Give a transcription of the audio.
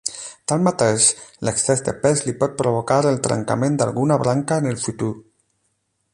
Tanmateix, l'excés de pes li pot provocar el trencament d'alguna branca en el futur.